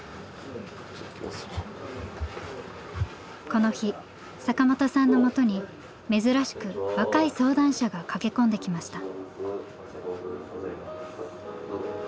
この日坂本さんのもとに珍しく若い相談者が駆け込んできました。